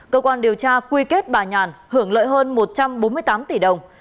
cơ quan điều tra quy kết bà nhàn hưởng lợi hơn một trăm bốn mươi tám tỷ đồng